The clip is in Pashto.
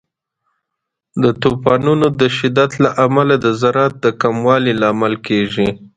د طوفانونو د شدت له امله د زراعت د کموالي لامل کیږي.